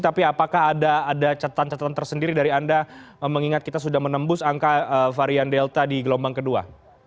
tapi apakah ada catatan catatan tersendiri dari anda mengingat kita sudah menembus angka varian delta di gelombang kedua